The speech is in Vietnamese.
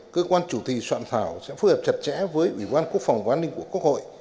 cơ quan chủ tì soạn thảo sẽ phù hợp chặt chẽ với ủy quan quốc phòng quán linh của quốc hội